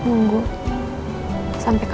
kamu nggak ada di samping aku